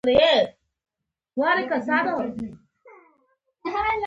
د خنځیر وینه در کډه سوې ده